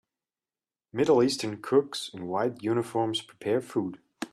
middle eastern cooks in white uniforms prepare food.